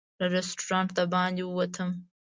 له رسټورانټ د باندې ووتم.